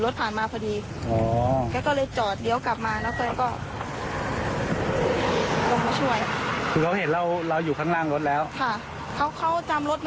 โดดลงรถหรือยังไงครับ